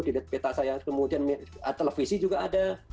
di peta saya kemudian televisi juga ada